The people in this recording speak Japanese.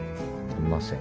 いません。